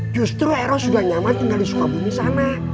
justru eros sudah nyaman tinggal di suka bumi sana